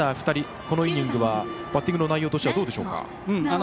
２人このイニングはバッティングの内容としてはどうでしょうか？